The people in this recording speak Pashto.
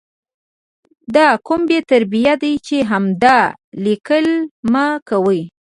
دا کوم بې تربیه ده چې همدا 💩 لیکي مه کوي